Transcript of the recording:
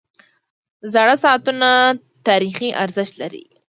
• زاړه ساعتونه تاریخي ارزښت لري.